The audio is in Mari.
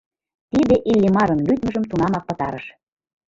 Тиде Иллимарын лӱдмыжым тунамак пытарыш.